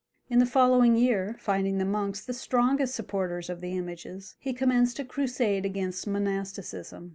In the following year, finding the monks the strongest supporters of the images, he commenced a crusade against monasticism.